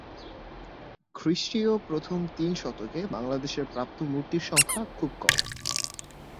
খ্রিস্টীয় প্রথম তিন শতকের বাংলাদেশে প্রাপ্ত মূর্তির সংখ্যা খুব কম।